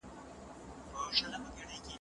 اسلام د انسان د حقوقو لپاره بشپړ قانون لري.